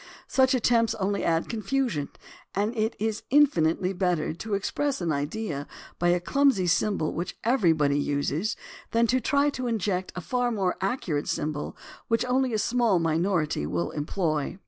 Such attempts only add confusion, and it is infinitely better to express an idea by a clumsy symbol which every body uses than to try to inject a far more accurate THE ORIGIN OF CERTAIN AMERICANISMS 273 symbol which only a small minority will employ.